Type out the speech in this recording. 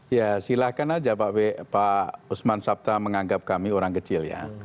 ya silahkan aja pak usman sabta menganggap kami orang kecil ya